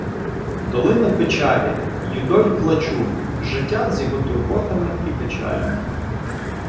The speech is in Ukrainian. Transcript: Долина печалі, юдоль плачу - життя з його турботами і печалями